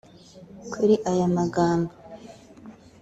Kuri aya magambo